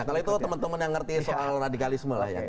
kalau itu teman teman yang ngerti soal radikalisme lah ya